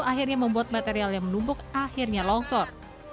akhirnya membuat material yang menumpuk akhirnya longsor